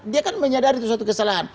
dia kan menyadari itu suatu kesalahan